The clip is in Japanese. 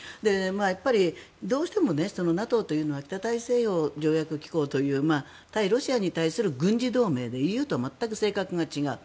やっぱりどうしてもＮＡＴＯというのは北大西洋条約機構という対ロシアに対する軍事同盟でＥＵとは全く性格が違う。